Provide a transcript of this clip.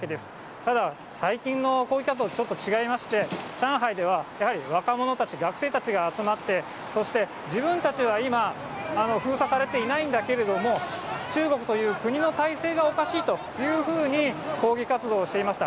ただ、最近の抗議活動、ちょっと違いまして、上海ではやはり、若者たち、学生たちが集まって、そして自分たちは今、封鎖されていないんだけれども、中国という国の体制がおかしいというふうに抗議活動をしていました。